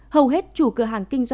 hầu hết chủ cửa hàng kinh doanh